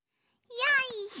よいしょ。